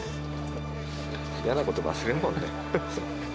嫌なこと忘れるもんね。